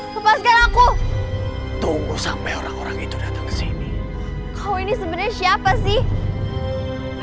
lepaskan aku tunggu sampai orang orang itu datang ke sini kau ini sebenarnya siapa sih